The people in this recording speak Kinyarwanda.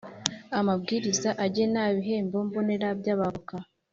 Amabwiriza agena ibihembo mbonera by abavoka